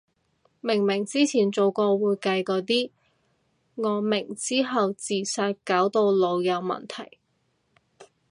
明明之前做過會計個啲，我明之後自殺搞到腦有問題